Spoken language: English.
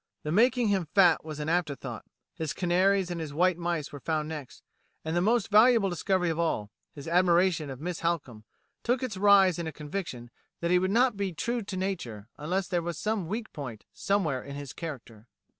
The making him fat was an afterthought; his canaries and his white mice were found next; and, the most valuable discovery of all, his admiration of Miss Halcombe, took its rise in a conviction that he would not be true to nature unless there was some weak point somewhere in his character."